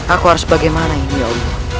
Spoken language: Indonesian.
aku harus bagaimana ini ya allah